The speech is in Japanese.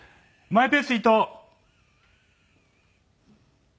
マイペースイトウ。